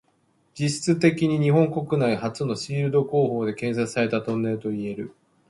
実質的に日本国内初のシールド工法で建設されたトンネルといえる。